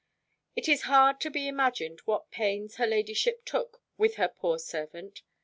It is hard to be imagined what pains her ladyship took with her poor servant.